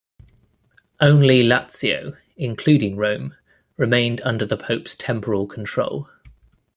Only Lazio, including Rome, remained under the Pope's temporal control.